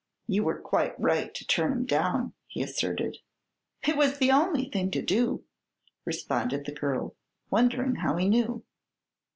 "You were quite right to turn him down," he asserted. "It was the only thing to do," responded the girl, wondering how he knew.